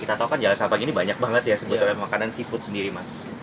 kita tahu kan jalan sabang ini banyak banget ya sebetulnya makanan seafood sendiri mas